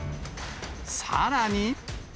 さらに。